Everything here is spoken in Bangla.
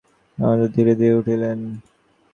রামচন্দ্র ধীরে ধীরে উঠিলেন।